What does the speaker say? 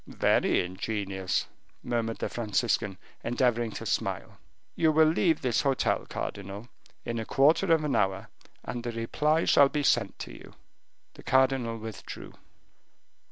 "Very ingenious," murmured the Franciscan, endeavoring to smile; "you will leave this hotel, cardinal, in a quarter of an hour, and a reply shall be sent you." The cardinal withdrew.